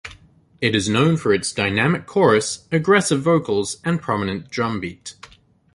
It is known for its dynamic chorus, aggressive vocals, and prominent drum beat.